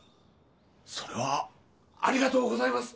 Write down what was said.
それはありがとうございます！